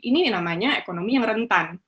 ini namanya ekonomi yang rentan